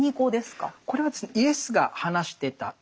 これはですねイエスが話してたアラム語。